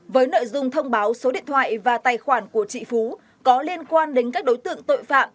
với nội dung thông báo số điện thoại và tài khoản của chị phú có liên quan đến các đối tượng tội phạm